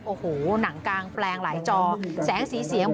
โอ้โหหนังกางแปลงหลายจอแสงสีเสียง